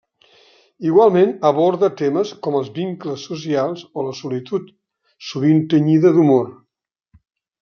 Igualment aborda temes com els vincles socials o la solitud, sovint tenyida d'humor.